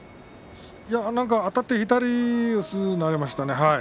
あたって左四つにすぐなりましたね。